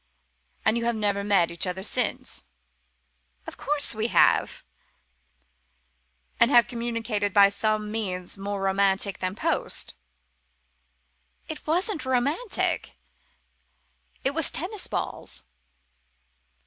"And you have never seen each other since?" "Of course we have." "And communicated by some means more romantic than the post?" "It wasn't romantic. It was tennis balls."